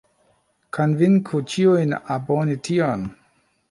Konvinku ĉiujn aboni tion